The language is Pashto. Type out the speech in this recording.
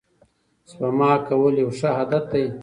سپما کول یو ښه عادت دی.